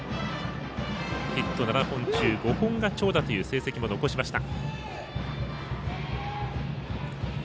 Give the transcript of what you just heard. ヒット７本中、５本が長打という成績も残しました。